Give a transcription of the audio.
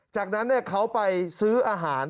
จากนั้นเขาไปซื้ออาหาร